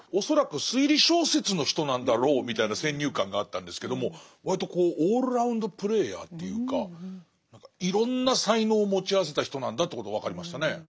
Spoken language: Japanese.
恐らく推理小説の人なんだろうみたいな先入観があったんですけども割とオールラウンドプレーヤーというかいろんな才能を持ち合わせた人なんだということが分かりましたね。